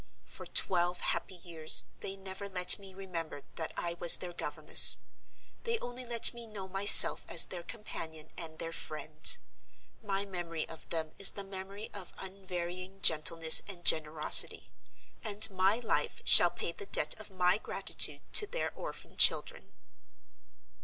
For twelve happy years they never let me remember that I was their governess; they only let me know myself as their companion and their friend. My memory of them is the memory of unvarying gentleness and generosity; and my life shall pay the debt of my gratitude to their orphan children."